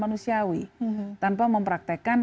manusiawi tanpa mempraktekan